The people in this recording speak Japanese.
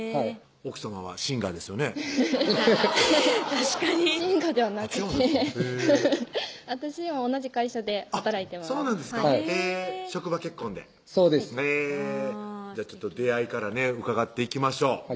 確かにシンガーではなくて私も同じ会社で働いてますそうなんですかへぇ職場結婚でそうですじゃあ出会いからね伺っていきましょう